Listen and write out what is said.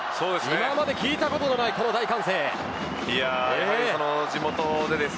今まで聞いたことのないこの大歓声です。